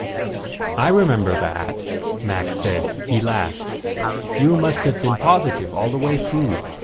"I remember that," Mac said. He laughed. "You must have been Positive all the way through.